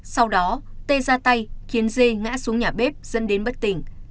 sau đó tê ra tay khiến dê ngã xuống nhà bếp dẫn đến bất tỉnh